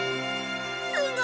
すごい！